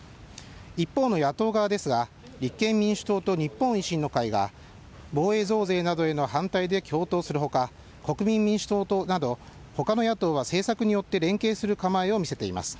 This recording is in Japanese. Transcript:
一方の野党側ですが、立憲民主党と日本維新の会が、防衛増税などへの反対で共闘するほか、国民民主党などほかの野党は政策によって連携する構えを見せています。